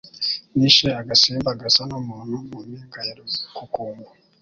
nishe agasimba gasa n'umuntu mu mpinga ya Rukukumbo